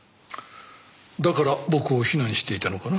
だから僕を非難していたのかな？